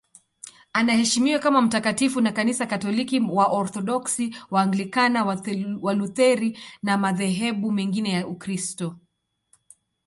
Anaheshimiwa kama mtakatifu na Kanisa Katoliki, Waorthodoksi, Waanglikana, Walutheri na madhehebu mengine ya Ukristo.